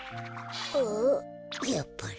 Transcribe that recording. ああやっぱり。